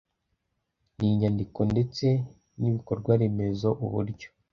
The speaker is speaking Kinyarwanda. n inyandiko ndetse n ibikorwaremezo uburyo